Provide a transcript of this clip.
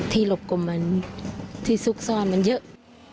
หลบกลมมันที่ซุกซ่อนมันเยอะ